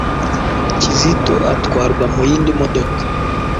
Kizito atwarwa mu yindi modoka